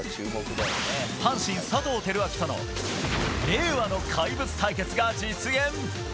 阪神、佐藤輝明との令和の怪物対決が実現。